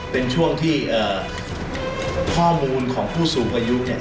เป็นช่วงที่ข้อมูลของผู้สูงอายุเนี่ย